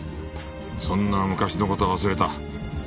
そんな昔の事は忘れた。